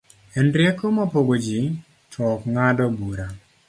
en rieko ma pogo ji, to ok ng'ado bura